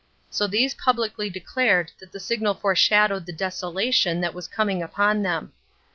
So these publicly declared that the signal foreshowed the desolation that was coming upon them.